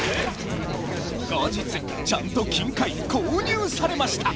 後日ちゃんと金塊購入されました！